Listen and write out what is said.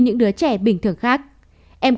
những đứa trẻ bình thường khác em